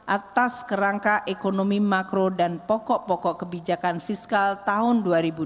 atas kerangka ekonomi makro dan pokok pokok kebijakan fiskal tahun dua ribu dua puluh